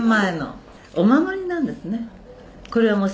「これはもう」